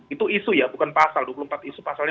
itu isu ya bukan pasal dua puluh empat isu pasalnya